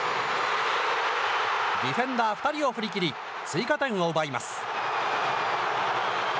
ディフェンダー２人を振りきり、追加点を奪います。